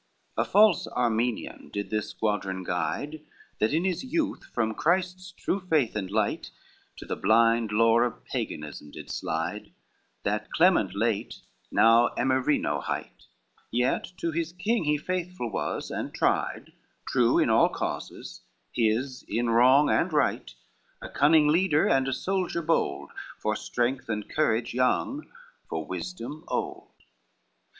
XXXII A false Armenian did this squadron guide, That in his youth from Christ's true faith and light To the blind lore of Paganism did slide, That Clement late, now Emireno, hight; Yet to his king he faithful was, and tried True in all causes, his in wrong and right: A cunning leader and a soldier bold, For strength and courage, young; for wisdom, old.